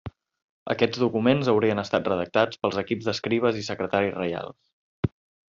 Aquests documents haurien estat redactats pels equips d'escribes i secretaris reials.